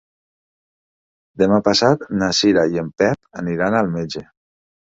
Demà passat na Cira i en Pep aniran al metge.